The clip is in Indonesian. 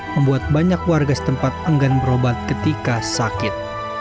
membuat banyak warga setempat enggan berobat ketika sakit